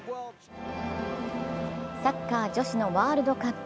サッカー・女子のワールドカップ。